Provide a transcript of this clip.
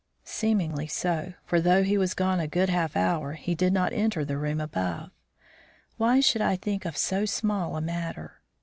Seemingly so, for, though he was gone a good half hour, he did not enter the room above. Why should I think of so small a matter?